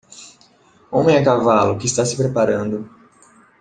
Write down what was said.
Homem a cavalo que está se preparando